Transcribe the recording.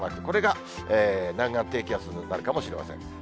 これが南岸低気圧になるかもしれません。